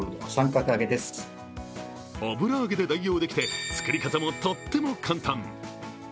油揚げで代用できて作り方もとっても簡単。